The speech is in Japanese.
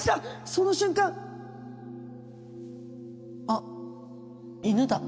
その瞬間あっ犬だ